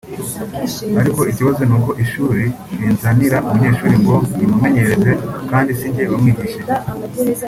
Ariko ikibazo ni uko ishuri rinzanira umunyeshuri ngo nimumenyereze kandi sinjye wamwigishije